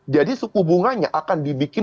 jadi suku bunganya akan dibikin